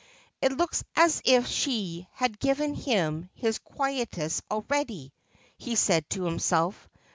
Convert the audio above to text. ' It looks as if she had given him his quietus already,' he said to himself.